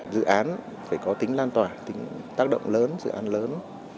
dự án phải có tính lan tỏa tính tác động lớn dự án lớn